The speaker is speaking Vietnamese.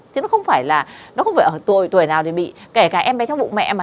chứ nó không phải là nó không phải ở tuổi tuổi nào thì bị kể cả em bé trong bụng mẹ mà